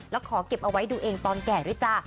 แล้วขอเก็บเอาไว้ดูเองตอนแก่ด้วยจ้า